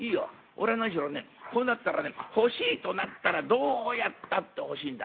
俺は何しろねこうなったらね欲しいとなったらどうやったって欲しいんだ。